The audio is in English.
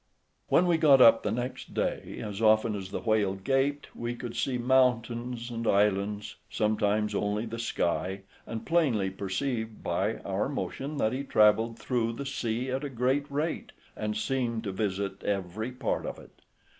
When we got up the next day, as often as the whale gaped, we could see mountains and islands, sometimes only the sky, and plainly perceived by our motion that he travelled through the sea at a great rate, and seemed to visit every part of it.